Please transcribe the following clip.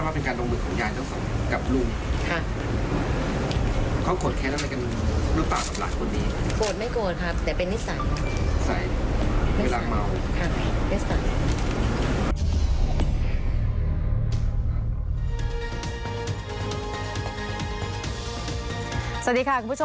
โกรธไม่โกรธครับแต่เป็นนิสัย